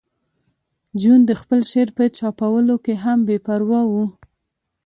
جون د خپل شعر په چاپولو کې هم بې پروا و